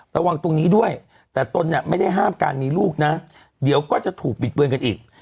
ระวังตรงนี้ด้วยแต่ตนเนี่ยไม่ได้ห้ามการมีลูกนะเดี๋ยวก็จะถูกบิดเบือนกันอีก